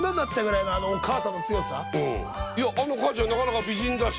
いあの母ちゃんなかなか美人だし。